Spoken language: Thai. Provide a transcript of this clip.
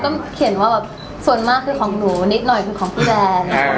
ก็เขียนว่าแบบส่วนมากคือของหนูนิดหน่อยคือของพี่แดน